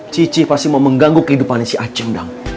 cici pasti mau mengganggu kehidupan si aceh